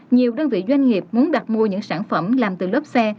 nhiều đơn vị doanh nghiệp muốn đặt mua những sản phẩm làm từ lốp xe